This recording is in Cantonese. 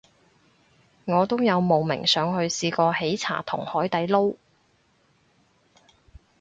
我都有慕名上去試過喜茶同海底撈